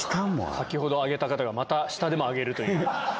先ほど挙げた方がまた下でも挙げるという。